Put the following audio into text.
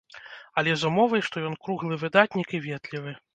Але з умовай, што ён круглы выдатнік і ветлівы.